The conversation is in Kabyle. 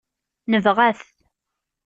Nebɣa-t.